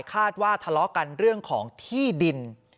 คาดว่าทะเลาะกันเรื่องของที่ดิน